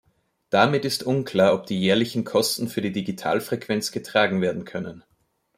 Damit ist unklar, ob die jährlichen Kosten für die Digital-Frequenz getragen werden können.